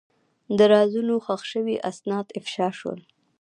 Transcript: د رازونو ښخ شوي اسناد افشا شول.